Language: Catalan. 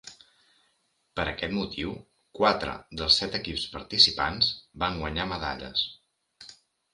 Per aquest motiu, quatre dels set equips participants van guanyar medalles.